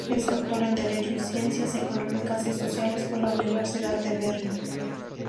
Es Doctor en Derecho y Ciencias Económicas y Sociales por la Universidad de Berna.